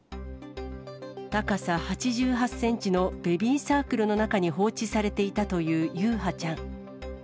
高さ８８センチのベビーサークルの中に放置されていたという優陽ちゃん。